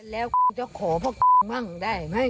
ได้แล้วเจ้าขอพวกได้ไหม